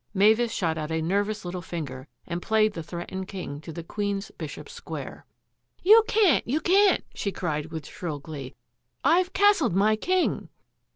Mavis shot out a nervous little finger and played the threatened king to the queen's bishop's square. " You can't, you can't !" she cried with shrill glee. " I've castled my king